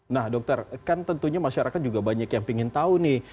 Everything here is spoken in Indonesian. nah dokter kan tentunya masyarakat juga banyak yang ingin tahu nih